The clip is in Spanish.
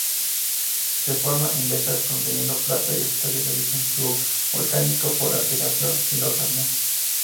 Se forma en vetas conteniendo plata y estaño de origen sub-volcánico por alteración hidrotermal.